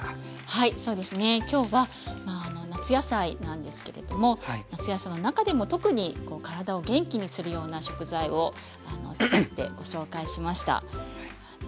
はいそうですね。今日は夏野菜なんですけれども夏野菜の中でも特に体を元気にするような食材を使ってご紹介しました。